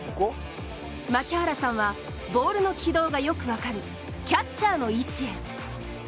槙原さんはボールの軌道がよく分かるキャッチャーの位置へ。